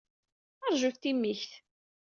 Ṛjut timikt!